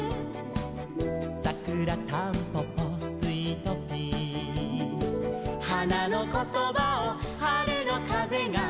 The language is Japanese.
「さくらたんぽぽスイトピー」「花のことばを春のかぜが」